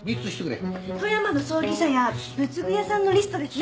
富山の葬儀社や仏具屋さんのリストですね。